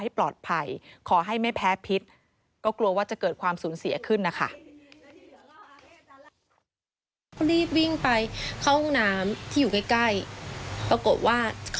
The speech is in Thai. ให้ปลอดภัยขอให้ไม่แพ้พิษก็กลัวว่าจะเกิดความสูญเสียขึ้นนะคะ